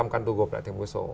năm căn tôi gộp lại thành một số